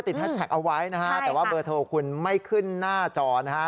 แฮชแท็กเอาไว้นะฮะแต่ว่าเบอร์โทรคุณไม่ขึ้นหน้าจอนะฮะ